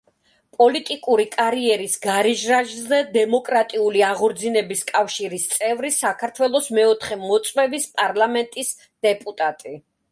პოლიტიკური კარიერის გარიჟრაჟზე „დემოკრატიული აღორძინების კავშირის“ წევრი, საქართველოს მეოთხე მოწვევის პარლამენტის დეპუტატი.